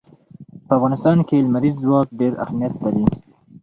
په افغانستان کې لمریز ځواک ډېر اهمیت لري.